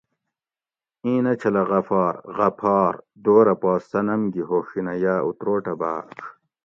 ایں نہ چھلہ غفار ( غپھار ) دورہ پا صنم گی ھوڛینہ یا اتروٹہ بۤاڄ